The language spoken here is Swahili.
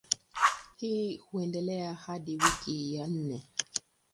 Hii huendelea hadi wiki ya nne.